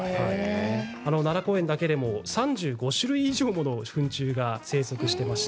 奈良公園だけでも３５種類以上の糞虫が生息しています。